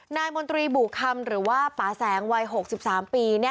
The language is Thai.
มนตรีบุคำหรือว่าป่าแสงวัย๖๓ปี